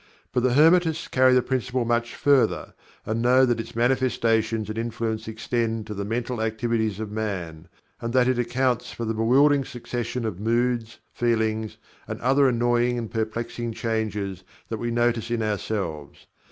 But the Hermetists carry the principle much further, and know that its manifestations and influence extend to the mental activities of Man, and that it accounts for the bewildering succession of moods, feelings and other annoying and perplexing changes that we notice in ourselves.